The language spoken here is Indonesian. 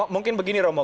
mungkin begini romo